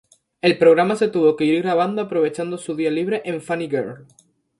El programa se tuvo que ir grabando aprovechando su día libre en "Funny Girl".